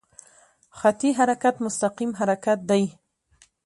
خطي حرکت مستقیم حرکت دی.